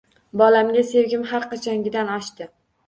Bolamga sevgim har qachongidan oshdi